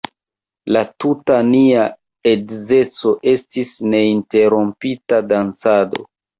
La tuta nia edzeco estis neinterrompita dancado.